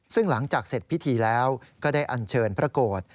ซึ่งหลังจากเสร็จพิธีแล้วก็ได้อันเชิญพระโกรธ